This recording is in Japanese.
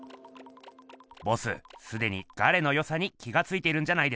ボスすでにガレのよさに気がついているんじゃないですか？